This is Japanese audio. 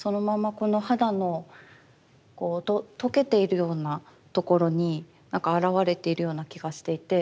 この肌のこう溶けているようなところになんか表れているような気がしていて。